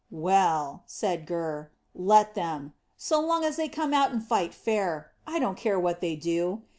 "Well," said Gurr, "let them. So long as they come out and fight fair, I don't care what they do.